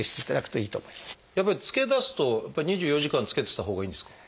やっぱりつけだすと２４時間つけてたほうがいいんですか？